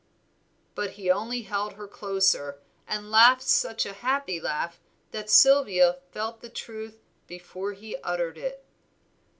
But he only held her closer, and laughed such a happy laugh that Sylvia felt the truth before he uttered it.